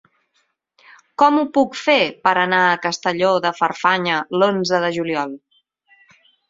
Com ho puc fer per anar a Castelló de Farfanya l'onze de juliol?